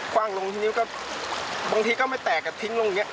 คว่างลงทีนี้บางทีก็ไม่แตกแต่ทิ้งลงนี้